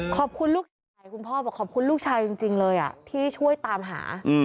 ขอบคุณลูกชายคุณพ่อบอกขอบคุณลูกชายจริงเลยที่ช่วยตามหา